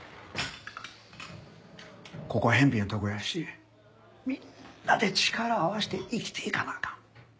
ここはへんぴなとこやしみんなで力を合わせて生きていかなあかん。